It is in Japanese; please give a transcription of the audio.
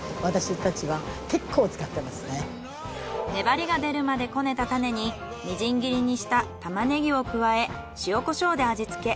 粘りが出るまでこねたタネにみじん切りにしたタマネギを加え塩コショウで味付け。